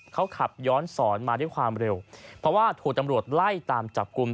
เขาขับย้อนสอนมาด้วยความเร็วเพราะว่าถูกตำรวจไล่ตามจับกลุ่ม